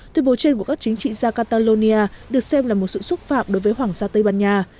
tuyên bố trên của các chính trị gia catalonia được xem là một sự xúc phạm đối với hoàng gia tây ban nha